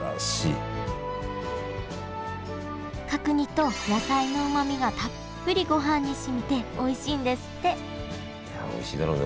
角煮と野菜のうまみがたっぷりごはんにしみておいしいんですっていやおいしいだろうな。